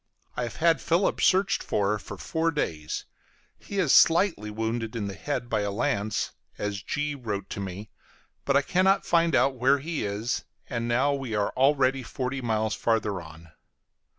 I have had Philip searched for, for four days; he is slightly wounded in the head by a lance, as G wrote to me, but I cannot find out where he is, and now we are already forty miles farther on.